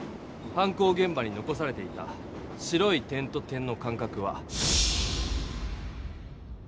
犯行げん場に残されていた白い点と点の間かくは。